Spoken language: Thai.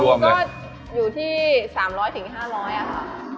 รวมก็อยู่ที่๓๐๐ถึง๕๐๐บาทค่ะ